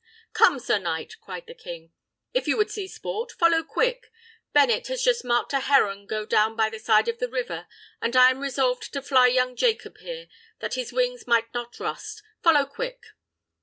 "Come, sir knight," cried the king, "if you would see sport, follow quick. Bennet has just marked a heron go down by the side of the river, and I am resolved to fly young Jacob here, that his wings may not rust. Follow quick!"